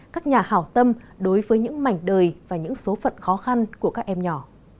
các nhà hào tâm đối với những mảnh đời và những số phận khó khăn của các em nhỏ